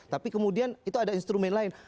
tapi kemudian itu ada instrumen lain